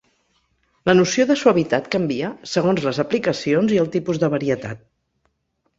La noció de suavitat canvia segons les aplicacions i el tipus de varietat.